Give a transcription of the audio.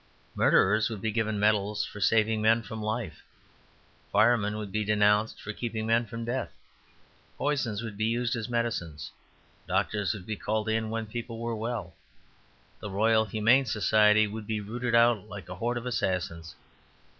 Murderers would be given medals for saving men from life; firemen would be denounced for keeping men from death; poisons would be used as medicines; doctors would be called in when people were well; the Royal Humane Society would be rooted out like a horde of assassins.